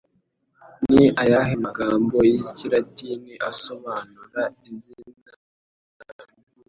Ni ayahe magambo y'Ikilatini asobanura “inzira y'ubuzima”?